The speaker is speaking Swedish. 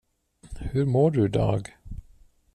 Hur mår du i dag?